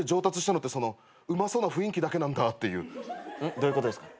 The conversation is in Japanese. どういうことですか？